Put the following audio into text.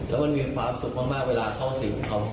แล้วมันมีความสุขมากเวลาเข้าสิทธิ์เขา